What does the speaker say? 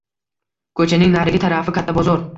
Ko‘chaning narigi tarafi katta bozor.